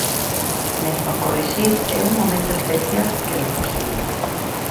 Mesmo corrixir é un momento especial que me fascina.